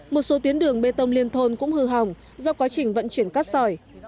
một số tiến đường bê tông liên thôn cũng hư hỏng do quá trình vận chuyển cắt sỏi